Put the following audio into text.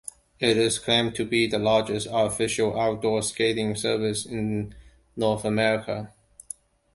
It is claimed to be the largest artificial outdoor skating surface in North America.